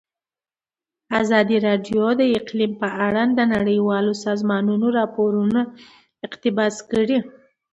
ازادي راډیو د اقلیم په اړه د نړیوالو سازمانونو راپورونه اقتباس کړي.